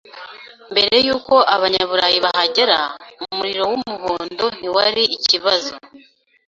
Mbere yuko Abanyaburayi bahagera, umuriro w’umuhondo ntiwari ikibazo